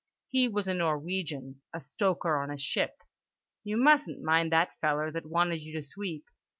He was a Norwegian, a stoker on a ship. "You mustn't mind that feller that wanted you to sweep.